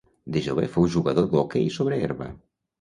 De jove fou jugador d'hoquei sobre herba.